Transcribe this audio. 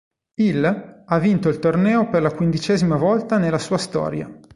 Il ha vinto il torneo per la quindicesima volta nella sua storia.